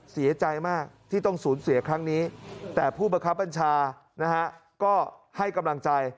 เสียใจมากที่ต้องสูญเสียครั้งนี้แต่ผู้บังคับบัญชานะฮะก็ให้กำลังใจ